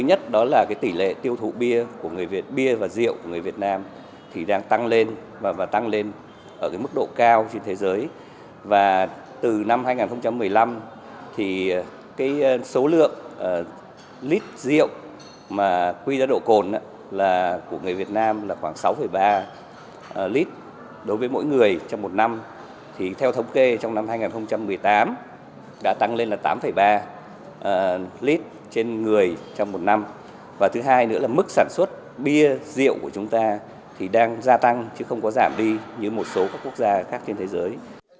nhiều lít rượu mà quy giá độ cồn của người việt nam là khoảng sáu ba lít đối với mỗi người trong một năm thì theo thống kê trong năm hai nghìn một mươi tám đã tăng lên là tám ba lít trên người trong một năm và thứ hai nữa là mức sản xuất bia rượu của chúng ta thì đang gia tăng chứ không có giảm đi như một số các quốc gia khác trên thế giới